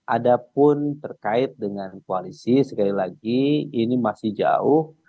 ada pun terkait dengan koalisi sekali lagi ini masih jauh